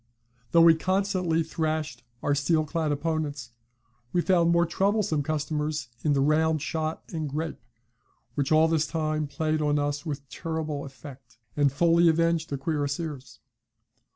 "Though we constantly thrashed our steel clad opponents, we found more troublesome customers in the round shot and grape, which all this time played on us with terrible effect, and fully avenged the cuirassiers.